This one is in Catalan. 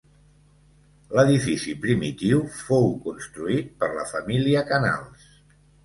L'edifici primitiu fou construït per la família Canals.